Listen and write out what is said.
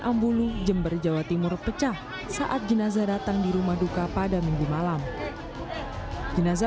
ambulu jember jawa timur pecah saat jenazah datang di rumah duka pada minggu malam jenazah